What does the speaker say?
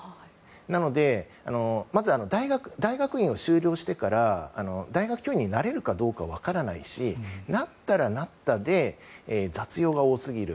なので、まずは大学院を修了してから大学教員になれるかどうか分からないしなったらなったで雑用が多すぎる。